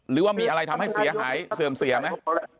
หรือว่ามีอะไรทำให้เสียหายเสื่อมเสียไหม